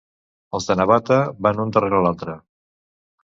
Els de Navata van un darrere l'altre.